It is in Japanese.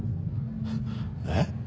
えっ？